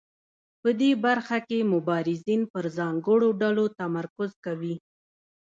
په دې برخه کې مبارزین پر ځانګړو ډلو تمرکز کوي.